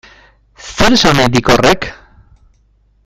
Zer esan nahi dik horrek?